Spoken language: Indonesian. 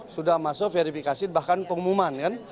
sudah masuk verifikasi bahkan pengumuman kan